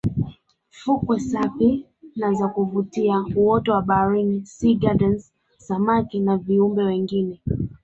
Fukwe safi na za kuvutia uoto wa baharini sea gardens samaki na viumbe wengine